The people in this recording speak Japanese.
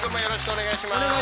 お願いします。